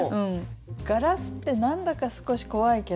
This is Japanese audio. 「ガラスってなんだか少し怖いけど」